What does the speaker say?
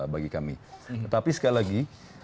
bagi kami tetapi sekali lagi